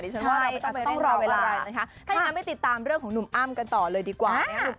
ฉันว่าไม่ต้องรอเวลานะคะถ้าอย่างนั้นไปติดตามเรื่องของหนุ่มอ้ำกันต่อเลยดีกว่านะครับ